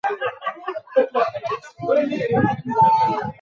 kwa hakika una ushawishi mkubwa katika maeneo ya upwa wa Afrika Mashariki na